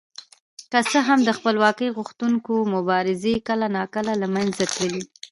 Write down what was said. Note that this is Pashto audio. که څه هم د خپلواکۍ غوښتونکو مبارزې کله ناکله له منځه تللې.